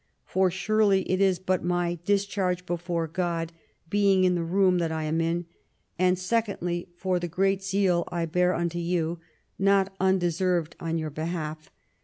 For surely it is for my discharge afore God, being in the room that I am in ; and secondly, for the great zeal I bear unto you, not undeserved on your behalf.